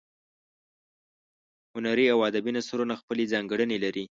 هنري او ادبي نثرونه خپلې ځانګړنې لري.